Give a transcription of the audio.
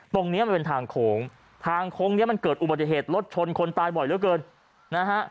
ตรงนี้มันเป็นทางโค้งทางโค้งเนี้ยมันเกิดอุบัติเหตุรถชนคนตายบ่อยเหลือเกินนะฮะ